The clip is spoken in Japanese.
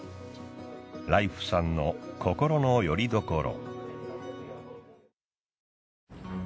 ライフさんの心のよりどころ。